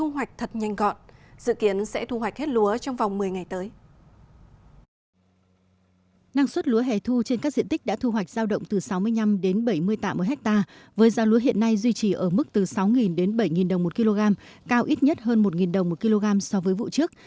hồ chủ tịch đã thu hoạch giao động từ sáu mươi năm đến bảy mươi tạ mỗi hectare với giao lúa hiện nay duy trì ở mức từ sáu đến bảy đồng một kg cao ít nhất hơn một đồng một kg so với vụ trước